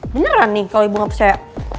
beneran nih kalau ibu gak percaya